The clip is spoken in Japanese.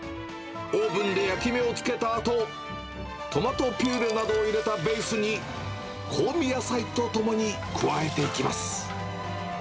オーブンで焼き目をつけたあと、トマトピューレなどを入れたベースに、香味野菜とともに加えていきます。